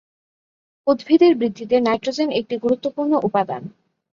উদ্ভিদের বৃদ্ধিতে নাইট্রোজেন একটি গুরুত্বপূর্ণ উপাদান।